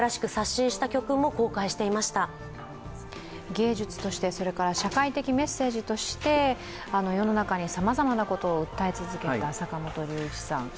芸術として、社会的メッセージとして世の中にさまざまなことを訴え続けた坂本龍一さん。